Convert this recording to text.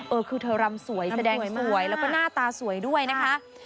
เออคือเธอรำสวยแสดงสวยแล้วก็หน้าตาสวยด้วยนะคะ